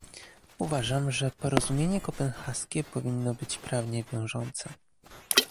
Uważam, że porozumienie kopenhaskie powinno być prawnie wiążące